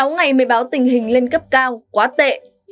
sáu ngày mới báo tình hình lên cấp cao quá tệ